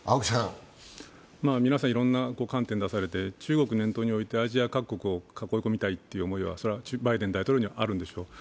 皆さんいろんな観点を出されて中国を念頭においてアジア各国を囲み込みたいという思いはバイデン大統領にはあるんでしょう。